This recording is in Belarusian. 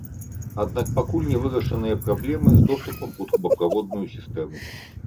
Аднак пакуль не вырашаныя праблемы з доступам у трубаправодную сістэму.